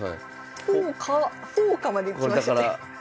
「フォーカ」まできましたね。